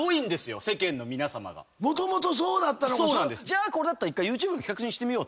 じゃあこうなったら１回ＹｏｕＴｕｂｅ企画書にしてみようと。